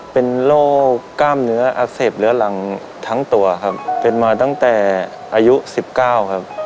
เป็นโรคกล้ามเนื้ออักเสบเหลือหลังทั้งตัวครับเป็นมาตั้งแต่อายุ๑๙ครับ